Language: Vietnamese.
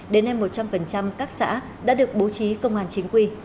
đến nay một trăm linh các xã đã được bố trí công an chính quy